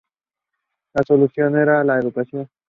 La solución era la educación.